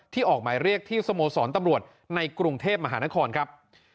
ออกหมายเรียกที่สโมสรตำรวจในกรุงเทพมหานครครับ